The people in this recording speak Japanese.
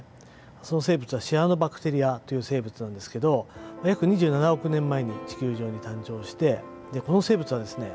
その生物はシアノバクテリアという生物なんですけど約２７億年前に地球上に誕生してこの生物はですね